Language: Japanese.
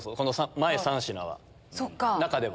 前３品は中では。